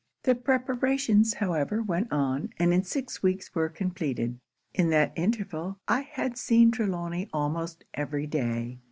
The preparations, however, went on, and in six weeks were compleated. 'In that interval, I had seen Trelawny almost every day.